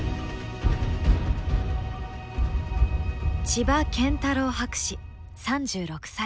千葉謙太郎博士３６歳。